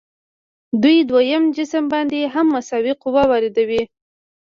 دوی دویم جسم باندې هم مساوي قوه واردوي.